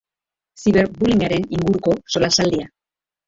Ziberbullyingaren inguruko solasaldia.